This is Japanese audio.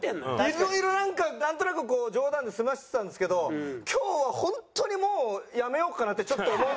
いろいろなんかなんとなくこう冗談で済ませてたんですけど今日は本当にもう辞めようかなってちょっと思うぐらい。